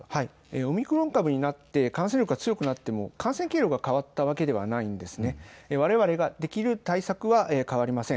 オミクロン株になって感染力が強くなっても感染経路が変わったわけではありません。